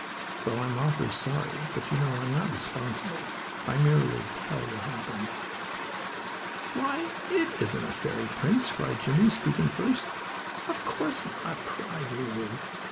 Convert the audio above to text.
Well, I'm awfully sorry, but you know I'm not responsible. I merely tell what happens. "Why, that isn't a fairy prince!" cried Jimmie, speaking first. "Of course not," added Lulu.